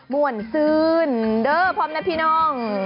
มวลซื่นเด้อพร้อมนะพี่น้อง